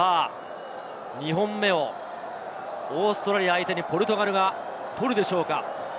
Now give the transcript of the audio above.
２本目を、オーストラリア相手にポルトガルが取るでしょうか。